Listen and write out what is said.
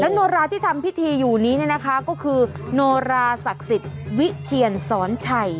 โนราที่ทำพิธีอยู่นี้เนี่ยนะคะก็คือโนราศักดิ์สิทธิ์วิเทียนสอนชัย